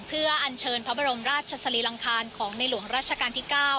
เพื่ออัญเชิญพระบรมราชสรีลังคารของในหลวงราชการที่๙